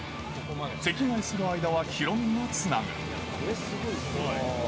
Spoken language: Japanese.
席替えする間はヒロミがつなぐ。